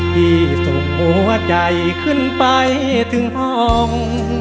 ที่ส่งหัวใจขึ้นไปถึงห้อง